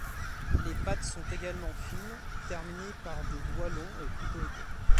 Les pattes sont également fines, terminées par des doigts longs et plutôt épais.